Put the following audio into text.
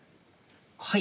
はい。